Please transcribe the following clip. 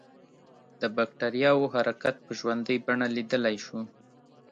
د بکټریاوو حرکت په ژوندۍ بڼه لیدلای شو.